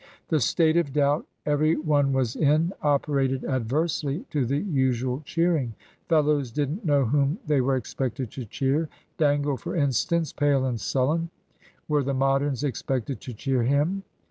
The state of doubt every one was in operated adversely to the usual cheering. Fellows didn't know whom they were expected to cheer. Dangle, for instance, pale and sullen, were the Moderns expected to cheer him?